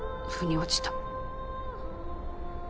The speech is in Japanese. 腑に落ちた。